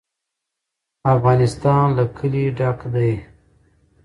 افغانستان له کلي ډک دی.